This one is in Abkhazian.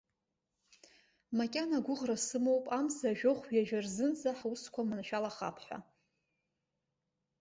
Макьана агәыӷра сымоуп амза жәохәҩажәа рзынӡа ҳусқәа маншәалахап ҳәа.